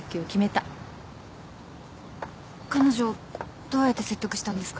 彼女をどうやって説得したんですか？